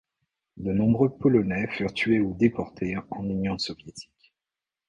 De nombreux Polonais furent tués ou déportés en Union soviétique.